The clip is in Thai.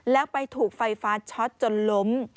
แล้วไปถูกไฟฟ้าช็อตจนล้ม